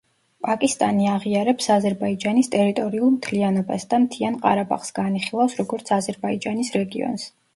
პაკისტანი აღიარებს აზერბაიჯანის ტერიტორიულ მთლიანობას და მთიან ყარაბაღს განიხილავს, როგორც აზერბაიჯანის რეგიონს.